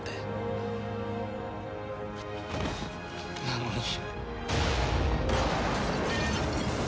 なのに。